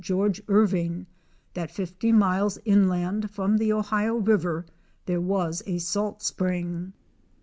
Geo. Irving that 50 miles inland from the Ohio river there was a salt spring.